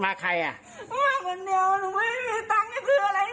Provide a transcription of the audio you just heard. มาคนเดียวหนูไม่มีตังค์ยังคืออะไร